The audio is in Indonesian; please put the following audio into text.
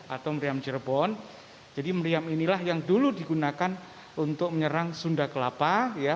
atau meriam cirebon jadi meriam inilah yang dulu digunakan untuk menyerang sunda kelapa